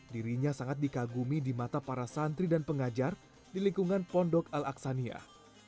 dirinya sangat dikagumi di mata para santri dan pengajar di lingkungan pondok al aqsaniyah